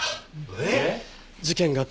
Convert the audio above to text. えっ！？